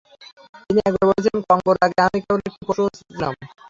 তিনি একবার বলেছিলেন, "কঙ্গোর আগে আমি কেবল একটি পশু ছিলাম"।